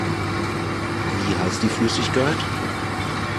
Wie heißt die Flüssigkeit?